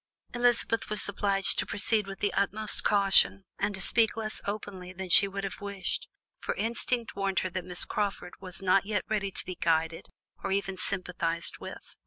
Elizabeth was obliged to proceed with the utmost caution, and to speak less openly than she would have wished, for instinct warned her that Miss Crawford was not yet ready to be guided, or even sympathized with.